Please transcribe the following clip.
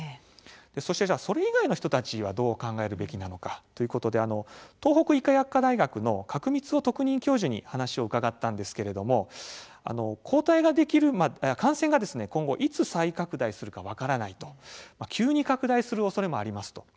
そして、それ以外の人たちにどう考えるべきなのかということで東北医科薬科大学の賀来満夫特任教授に話を伺ったんですけれども感染が今後、いつ再拡大するか分からないし、急に拡大するおそれもありますと。